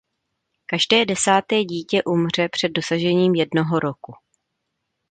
Každé desáté dítě umře před dosažením jednoho roku.